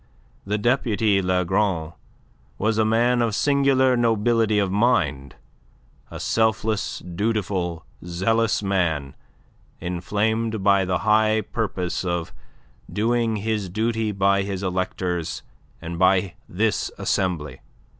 The deputy Lagron was a man of singular nobility of mind, a selfless, dutiful, zealous man, inflamed by the high purpose of doing his duty by his electors and by this Assembly.